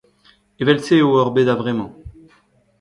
Evel-se eo hor bed a-vremañ.